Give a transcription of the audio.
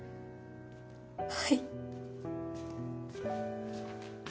はい。